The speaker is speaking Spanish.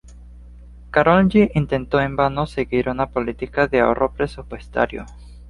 Károlyi intentó en vano seguir una política de ahorro presupuestario.